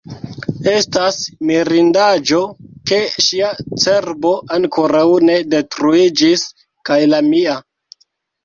Estas mirindaĵo, ke ŝia cerbo ankoraŭ ne detruiĝis kaj la mia.